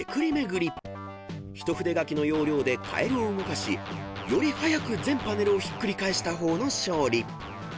［ひと筆書きの要領でカエルを動かしより早く全パネルをひっくり返した方の勝利］